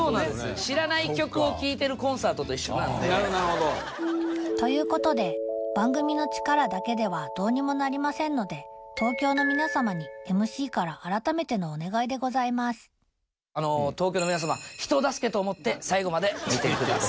知らない曲を聞いてるコンサートと一緒なんで。ということで番組の力だけではどうにもなりませんので東京の皆様にＭＣから改めてのお願いでございます東京の皆様人助けと思って最後まで見てください。